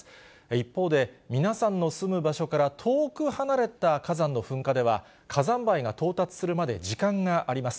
一方で、皆さんの住む場所から遠く離れた火山の噴火では、火山灰が到達するまで時間があります。